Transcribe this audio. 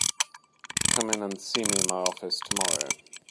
Come in and see me in my office tomorrow.